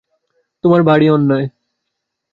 তোমার ভারি অন্যায়।